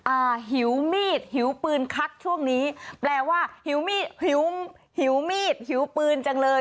อ่าหิวมีดหิวปืนคักช่วงนี้แปลว่าหิวมีดหิวปืนจังเลย